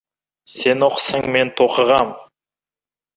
Сен оқысаң, мен тоқығам.